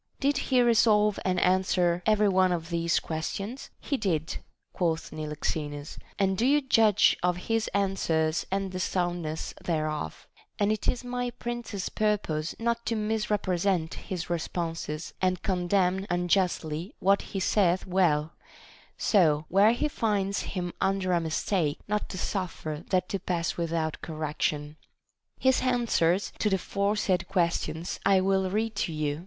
Did he resolve and answer every one of these ques tions \ He did, quoth Niloxenus, and do you judge of his answers and the soundness thereof: and it is my prince's purpose not to misrepresent his responses and condemn unjustly what he saith well, so, where he finds him under a mistake, not to suffer that to pass without correction. His answers to the foresaid questions I will read to you.